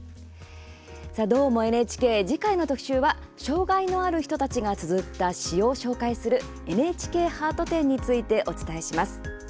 「どーも、ＮＨＫ」次回の特集は障害のある人たちがつづった詩を紹介する「ＮＨＫハート展」についてお伝えします。